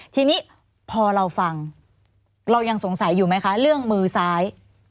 ทีนี้พอเราฟังเรายังสงสัยอยู่ไหมคะเรื่องมือซ้าย